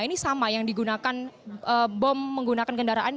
ini sama yang digunakan bom menggunakan kendaraan